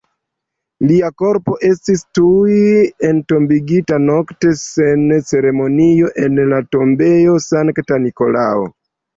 Lia korpo estis tuj entombigita nokte sen ceremonio en la Tombejo Sankta Nikolao.